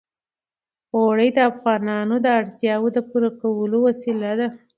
اوړي د افغانانو د اړتیاوو د پوره کولو وسیله ده.